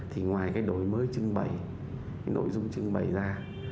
thì ngoài cái đổi mới trưng bày cái nội dung trưng bày ra